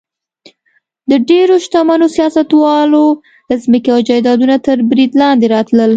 د ډېرو شتمنو سیاستوالو ځمکې او جایدادونه تر برید لاندې راتلل.